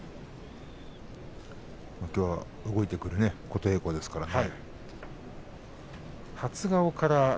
きょうは動いてくる琴恵光ですからね。